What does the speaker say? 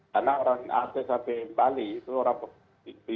karena orang askb bali itu orang